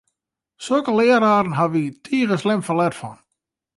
Sokke leararen hawwe wy tige slim ferlet fan!